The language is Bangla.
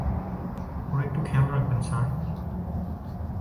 ওর একটু খেয়াল রাখবেন, স্যার।